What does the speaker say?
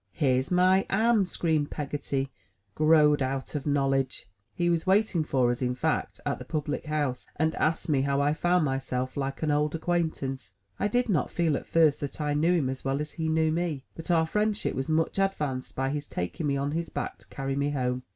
"Here's my Am!'' screamed Peggotty, '*growed out of knowledge!" He was waiting for us, in fact, at the public house, and asked me how I found myself, like an old acquaintance. I did not feel, at first, that I knew him as well as he knew me. But our friendship was much advanced by his taking me on his back to carry me home.